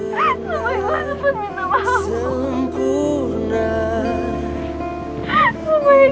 bangnya bakal tetap bang